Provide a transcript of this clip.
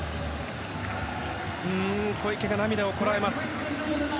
小池が涙をこらえます。